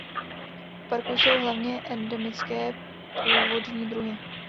V parku jsou hlavně endemické původní druhy.